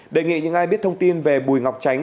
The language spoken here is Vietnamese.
đề nghị những ai biết thông tin về bùi ngọc tránh